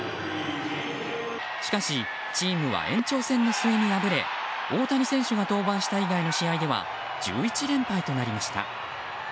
しかしチームは延長戦の末に敗れ大谷選手が登板した以外の試合では１１連敗となりました。